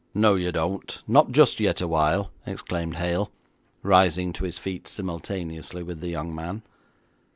'No you don't. Not just yet awhile,' exclaimed Hale, rising to his feet simultaneously with the young man.